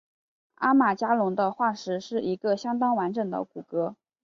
阿马加龙的化石是一个相当完整的骨骼。